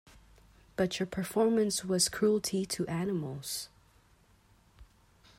But your performance was cruelty to animals.